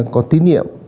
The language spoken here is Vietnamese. có tín hiệu